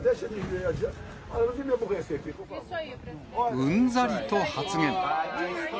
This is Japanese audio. うんざりと発言。